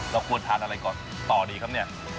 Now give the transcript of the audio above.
เราควรทานอะไรก่อนต่อดีครับเนี่ย